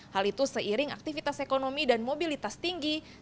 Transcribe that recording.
hal itu seiring aktivitas ekonomi dan mobilitas tinggi